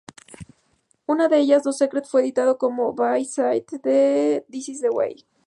Una de ellas "No Secret" fue editado como b-side de This Is The Way.